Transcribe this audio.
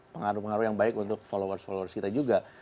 pengaruh pengaruh yang baik untuk followers followers kita juga